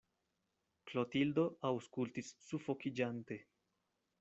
Klotildo aŭskultis sufokiĝante.